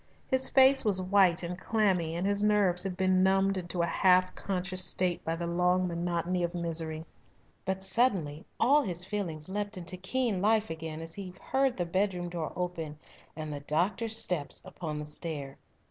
His face was white and clammy, and his nerves had been numbed into a half conscious state by the long monotony of misery. But suddenly all his feelings leapt into keen life again as he heard the bedroom door open and the doctor's steps upon the stair.